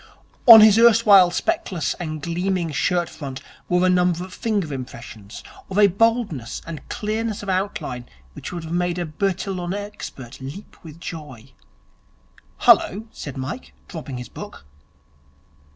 On his erstwhile speckless and gleaming shirt front were number of finger impressions, of a boldness and clearness of outline which would have made a Bertillon expert leap with joy. 'Hullo!' said Mike dropping his book.